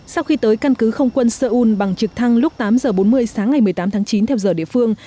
sau khi tới căn cứ không quân seoul bằng trực thăng lúc tám giờ bốn mươi sáng ngày một mươi tám tháng chín theo giờ địa phương